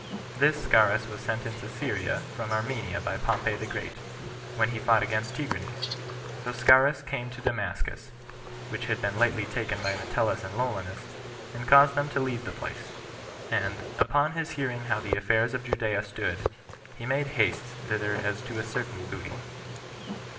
This Scaurus was sent into Syria from Armenia by Pompey the Great, when he fought against Tigranes; so Scaurus came to Damascus, which had been lately taken by Metellus and Lollius, and caused them to leave the place; and, upon his hearing how the affairs of Judea stood, he made haste thither as to a certain booty.